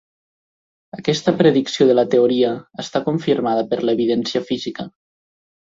Aquesta predicció de la teoria està confirmada per l'evidència física.